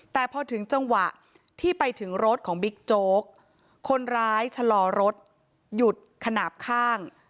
แต่พอถึงจังหวะที่ไปถึงรถของบิ๊กโจ๊กคนร้ายชะลอรถหยุดขนาดข้าง